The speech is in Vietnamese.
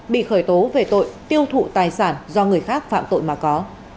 bị khởi tố về tội tiêu thụ tài sản do người khác phạm tội mà có